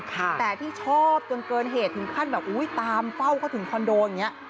แต่ที่ชอบจนเกินเหตุถึงขั้นแบบอุ้ยตามเฝ้าเขาถึงคอนโดอย่างนี้